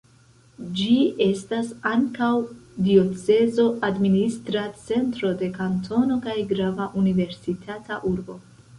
Ĝi estas ankaŭ diocezo, administra centro de kantono kaj grava universitata urbo.